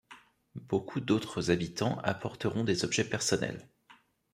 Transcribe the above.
Beaucoup d'autres habitants apporteront des objets personnels.